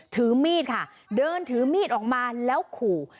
ถือมีดค่ะเดินถือมีดออกมาแล้วขู่